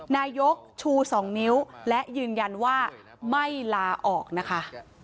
นายกชู๒นิ้วและยืนยันว่าไม่ลาออกนะคะ